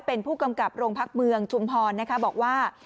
เป็นผู้กำกับโรงพักเมืองชุมพรนะคะบอกว่า